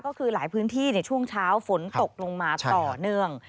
ก็คือหลายพื้นที่ในช่วงเช้าฝนตกลงมาต่อเนื่อง